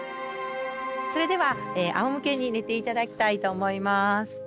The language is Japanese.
それでは仰向けに寝ていただきたいと思います。